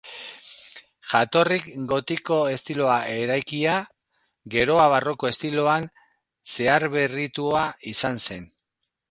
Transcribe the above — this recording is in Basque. Jatorriz gotiko estiloan eraikia, gerora barroko estiloan zaharberritua izan zen.